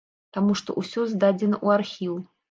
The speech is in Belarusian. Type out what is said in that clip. Таму што ўсё здадзена ў архіў.